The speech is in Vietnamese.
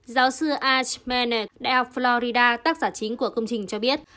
giáo sư arch mann at the florida tác giả chính của công trình cho biết